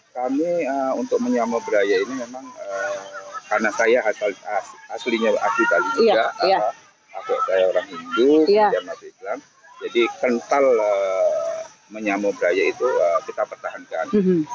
kami untuk menyamobraya ini memang karena saya hasil aslinya asli bali juga jadi kental menyamobraya itu kita pertahankan